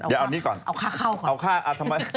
เอาค่าเข้าขนาดกด